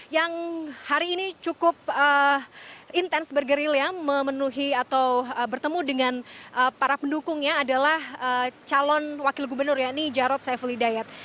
yang hari ini cukup intens bergeril ya memenuhi atau bertemu dengan para pendukungnya adalah calon wakil gubernur yakni jarod saiful hidayat